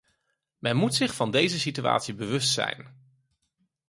Men moet zich van deze situatie bewust zijn.